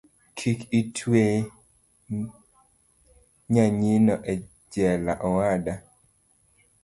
Kik itwe nyanyino ejela owada